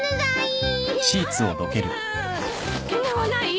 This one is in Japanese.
ケガはない？